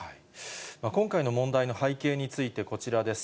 今回の問題の背景について、こちらです。